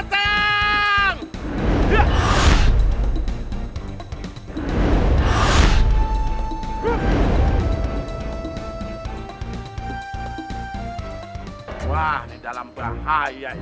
bulan aa wah di dalam bahaya ini